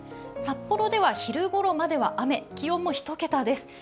札幌では昼ごろまでは雨、気温も１桁です。